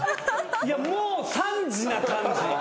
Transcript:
いやもう３時な感じ。